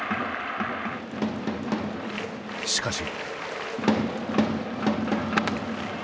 しかし。